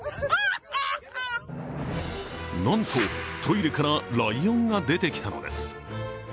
なんとトイレからライオンが出てきたのです。